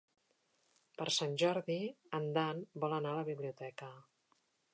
Per Sant Jordi en Dan vol anar a la biblioteca.